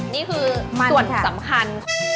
นี่คือส่วนสำคัญ